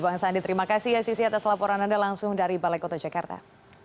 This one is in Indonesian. bang sandi terima kasih ya sisi atas laporan anda langsung dari balai kota jakarta